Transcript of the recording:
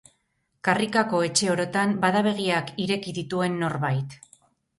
Karrikako etxe orotan bada begiak ireki dituen norbait.